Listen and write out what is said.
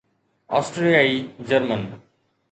آسٽريائي German